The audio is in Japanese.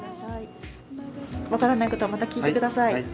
分からないことはまた聞いて下さい。